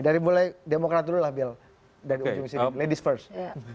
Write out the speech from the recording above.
dari mulai demokrat dulu lah bel ladies first